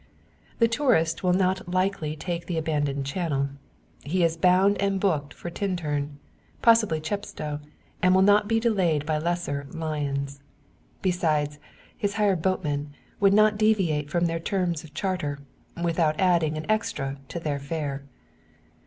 The tourist will not likely take the abandoned channel. He is bound and booked for Tintern possibly Chepstow and will not be delayed by lesser "lions." Besides, his hired boatmen would not deviate from their terms of charter, without adding an extra to their fare.